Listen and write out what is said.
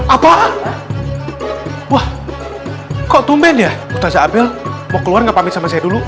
apa wah kok tumben ya ustadz abel mau keluar gak pamit sama saya dulu